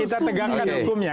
kita tegakkan hukumnya